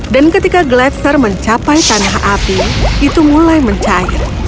dan ketika gletser mencapai tanah api itu mulai mencair